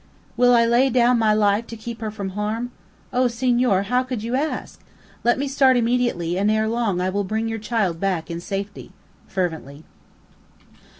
"Will I lay down my life to keep her from harm! Oh, senor, how can you ask? Let me start immediately, and ere long I will bring your child back in safety," fervently.